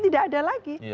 tidak ada lagi